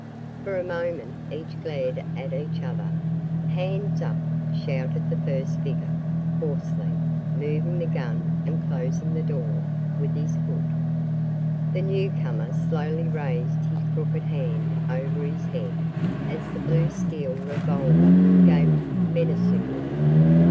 For a moment each glared at the other. "Hands up!" shouted the first figure, hoarsely, moving the gun and closing the door, with his foot. The newcomer slowly raised his crooked hand over his head, as the blue steel revolver gaped menacingly.